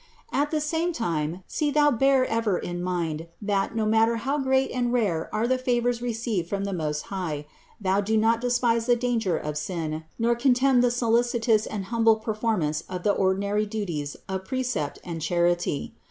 69. At the same time see thou bear ever in mind, that, no matter how great and rare are the favors received from the Most High, thou do not despise the danger of sin nor contemn the solicitous and humble performance of the ordinary duties of precept and charity.